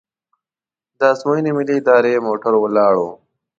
د ازموینې ملي ادارې موټر ولاړ و.